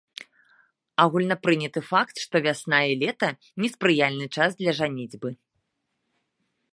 Агульнапрыняты факт, што вясна і лета неспрыяльны час для жаніцьбы.